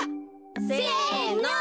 せの！